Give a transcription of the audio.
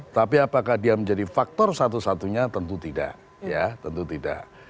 tapi apakah dia menjadi faktor satu satunya tentu tidak